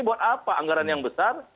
buat apa anggaran yang besar